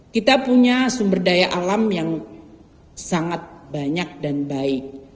kita punya sumber daya alam yang sangat banyak dan baik